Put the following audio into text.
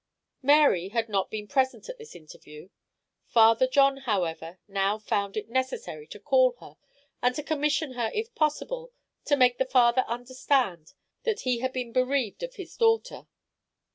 Mary had not been present at this interview; Father John, however, now found it necessary to call her, and to commission her if possible to make the father understand that he had been bereaved of his daughter.